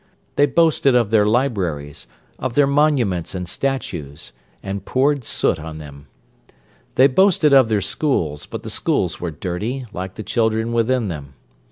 They boasted of their libraries, of their monuments and statues; and poured soot on them. They boasted of their schools, but the schools were dirty, like the children within them.